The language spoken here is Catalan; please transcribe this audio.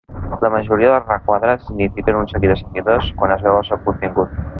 La majoria dels requadres signifiquen un seguit de seguidors quan es veu el seu contingut.